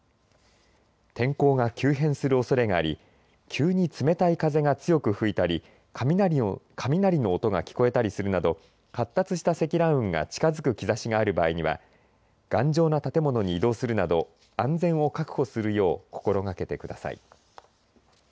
天候が急変するおそれがあり急に冷たい風が強く吹いたり雷の音が聞こえたりするなど発達した積乱雲が近づく兆しがある場合には頑丈な建物に移動するなど安全を確保するよう心がけてください。